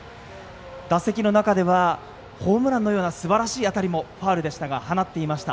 打席の中ではホームランのようなすばらしい当たりもファウルでしたが放っていました。